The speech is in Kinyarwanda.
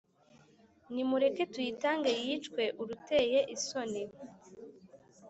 Nimureke tuyitange yicwe uruteye isoni,